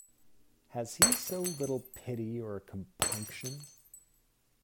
Has he so little pity or compunction?